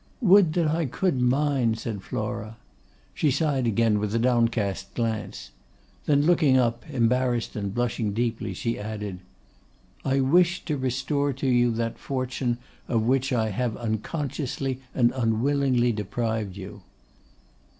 'Would that I could mine!' said Flora. She sighed again with a downcast glance. Then looking up embarrassed and blushing deeply, she added, 'I wish to restore to you that fortune of which I have unconsciously and unwillingly deprived you.